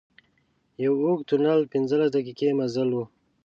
یو اوږد تونل پنځلس دقيقې مزل و.